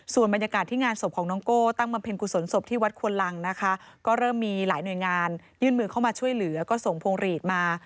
ส่วนบรรยากาศที่งานศพของน้องโก้ตั้งบำเพ็ญกุศลศพที่วัดควนลังนะคะก็เริ่มมีหลายหน่วยงานยื่นมือเข้ามาช่วยเหลือก็ส่งพวงหลีดมา